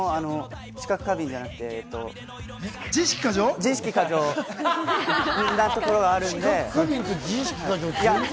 知覚過敏じゃなくて自意識過剰なところがあるので。